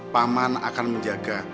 paman akan menjaga